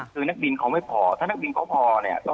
คือนักบินเขาไม่พอถ้านักบินเขาพอเนี่ย